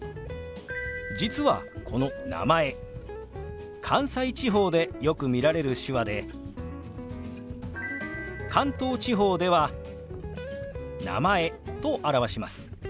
実はこの「名前」関西地方でよく見られる手話で関東地方では「名前」と表します。